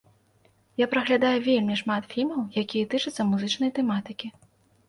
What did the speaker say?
Я праглядаю вельмі шмат фільмаў, якія тычацца музычнай тэматыкі.